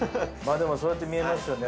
でもそうやって見えますよね。